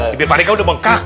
bibi pak deka udah bengkak